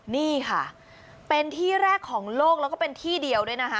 นี่ค่ะเป็นที่แรกของโลกแล้วก็เป็นที่เดียวด้วยนะคะ